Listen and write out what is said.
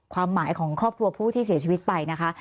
ความหมายของครอบครัวผู้ที่เสียชีวิตไปนะคะ